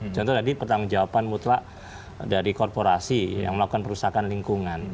contoh tadi pertanggung jawaban mutlak dari korporasi yang melakukan perusahaan lingkungan